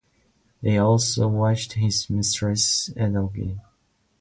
They also watched his mistress, Ethel Gee.